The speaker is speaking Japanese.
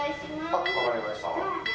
あっわかりました。